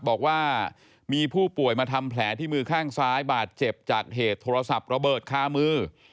บอกว่ามีผู้ป่วยมาทำแผลที่มือข้างซ้ายบาดเจ็บจากเหตุโทรศัพท์ระเบิดคามือ